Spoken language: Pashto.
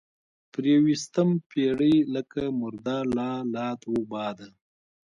پرې ويستم پيرۍ لکه مرده لۀ لاد وباده